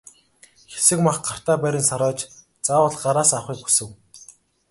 Хэсэг мах гартаа барин сарвайж заавал гараасаа авахыг хүсэв.